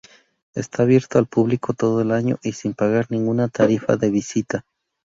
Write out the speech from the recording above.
Está abierto al público todo el año y sin pagar ninguna tarifa de visita.